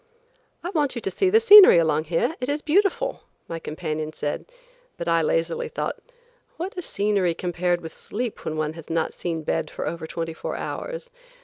"I want you to see the scenery along here; it is beautiful," my companion said, but I lazily thought, "What is scenery compared with sleep when one has not seen bed for over twenty four hours?"